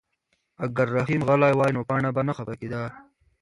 اگر رحیم غلی وای نو پاڼه به نه خفه کېده.